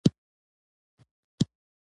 عبارت پوره جمله نه يي.